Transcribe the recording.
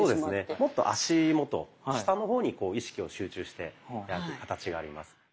もっと足元下の方に意識を集中してやる形があります。